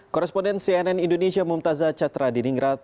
korresponden cnn indonesia mumtazah cetra di ningrat